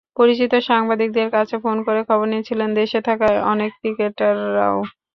পরিচিত সাংবাদিকদের কাছে ফোন করে খবর নিচ্ছিলেন দেশে থাকা অনেক ক্রিকেটারও।